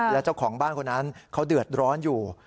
แล้วเจ้าของบ้านคนนั้นเขาเดือดร้อนอยู่